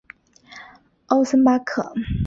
欧森巴克。